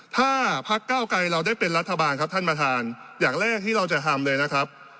ถ้าพักเก้าไกรเราได้เป็นรัฐบาลครับท่านประธานอย่างแรกที่เราจะทำเลยนะครับ